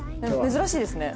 珍しいですね。